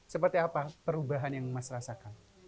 seperti apa perubahan yang mas rasakan